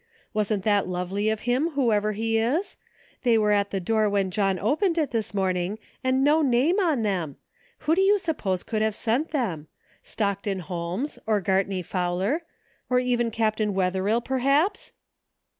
Wasn't that lovely of him, who ever he is? They were at the door when John opened it this morning, and no name on them ! Who do you suppose oould have sent them? Stockton Holmes, or 153 THE FINDING OF JASPER HOLT Gartney Fowler, or even Captain Wetherill, perhaps?